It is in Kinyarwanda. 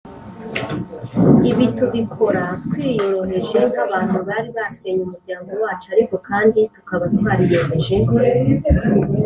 Ibi tubikora twiyoroheje nk abantu bari basenye umuryango wacu ariko kandi tukaba twariyemeje